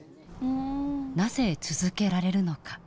なぜ続けられるのか？